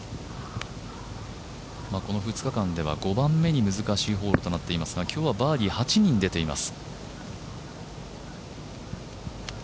この２日間では５番目に難しいホールになっていますが今日はバーディー８人出ています。